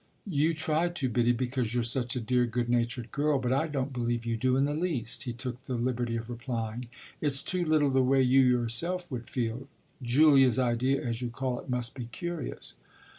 "You try to, Biddy, because you're such a dear good natured girl, but I don't believe you do in the least," he took the liberty of replying. "It's too little the way you yourself would feel. Julia's idea, as you call it, must be curious."